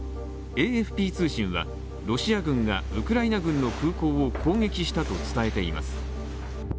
ＡＦＰ通信は、ロシア軍がウクライナ軍の空港を攻撃したと伝えています。